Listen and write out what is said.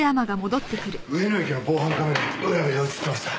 上野駅の防犯カメラに浦部が映ってました。